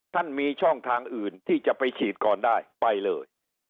ท่านมีช่องทางอื่นที่จะไปฉีดก่อนได้ไปเลย